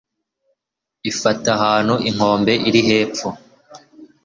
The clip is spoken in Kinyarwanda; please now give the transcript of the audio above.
ifata ahantu inkombe iri hepfo